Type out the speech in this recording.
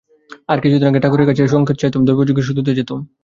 আর কিছুদিন আগে হলে ঠাকুরের কাছে সংকেত চাইতুম, দৈবজ্ঞের কাছে শুধোতে যেতুম।